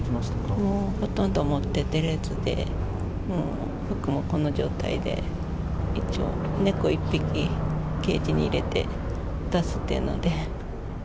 もうほとんど持って出れずで、服もこの状態で、一応猫１匹ケージに入れて出すっていうので。